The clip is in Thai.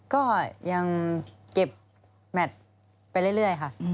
ก็ยังเก็บแมทไปเรื่อยค่ะ